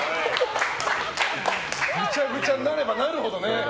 ぐちゃぐちゃになればなるほどね。